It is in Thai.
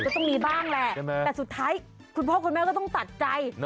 ก็ต้องมีบ้างแหละแต่สุดท้ายคุณพ่อคุณแม่ก็ต้องตัดใจ